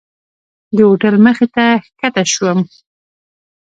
د هوټل مخې ته ښکته شوم.